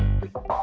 nih lu ngerti gak